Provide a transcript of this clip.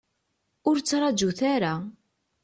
Ur ttraǧut ara.